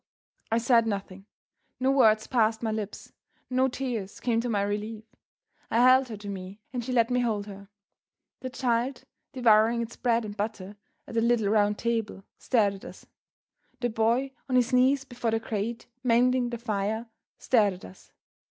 I said nothing. No words passed my lips, no tears came to my relief. I held her to me; and she let me hold her. The child, devouring its bread and butter at a little round table, stared at us. The boy, on his knees before the grate, mending the fire, stared at us.